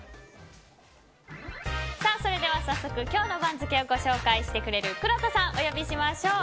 それでは早速今日の番付をご紹介してくれるくろうとさんをお呼びしましょう。